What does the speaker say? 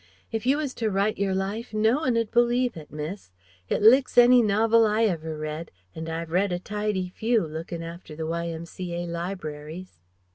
"If you was to write your life, no one 'ud believe it, miss. It licks any novel I ever read and I've read a tidy few, looking after the Y.M.C.A. libraries....